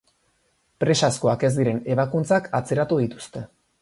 Presazkoak ez diren ebakuntzak atzeratu dituzte.